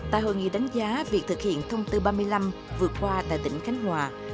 tại hội nghị đánh giá việc thực hiện thông tư ba mươi năm vừa qua tại tỉnh khánh hòa